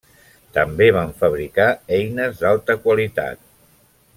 També van fabricar eines d'alta qualitat.